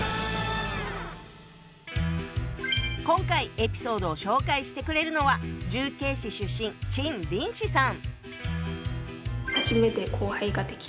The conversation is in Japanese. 今回エピソードを紹介してくれるのは重慶市出身陳林子さん。